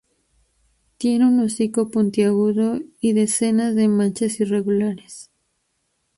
Tiene un hocico puntiagudo y decenas de manchas irregulares.